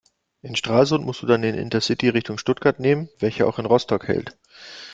In Stralsund musst du dann den Intercity in Richtung Stuttgart nehmen, welcher auch in Rostock hält.